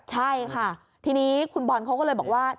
ใช่ค่ะทีนี้คุณบอลเขาก็เลยบอกว่า